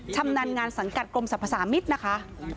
ชำนาญงานสังกัดกรมสรรพสามิตรนะคะ